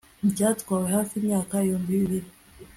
byatwaye hafi imyaka ibihumbi bibiri